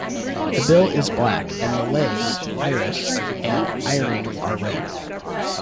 The bill is black and the legs, iris and eyering are red.